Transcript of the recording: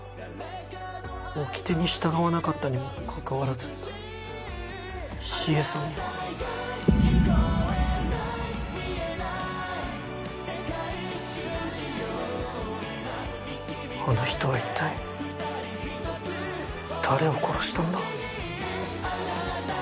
おきてに従わなかったにもかかわらず秘影さんには。あの人はいったい誰を殺したんだ？